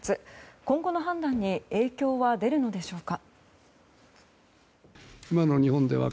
今後の判断に影響は出るのでしょうか。